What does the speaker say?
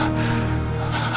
ah kita tak bisa tahu